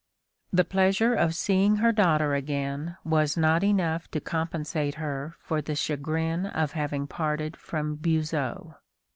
The pleasure of seeing her daughter again was not enough to compensate her for the chagrin of having parted from Buzot.